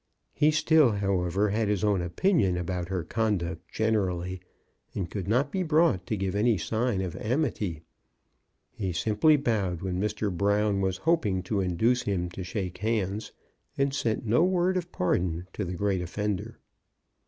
He still, however, had his own opinion about her conduct generally, and could not be brought to give any sign of amity. He simply bowed when Mr. Brown was hoping to induce him to shake hands, and sent no word of pardon to the great offender.